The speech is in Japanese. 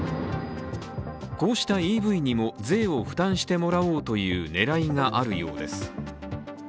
こうしたＥＶにも税を負担してもらおうという狙いがあるようです。